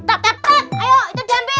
tepet tepet ayo itu diambil